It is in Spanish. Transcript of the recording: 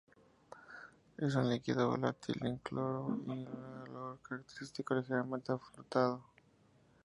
Es un líquido volátil, incoloro y con un olor característico ligeramente afrutado.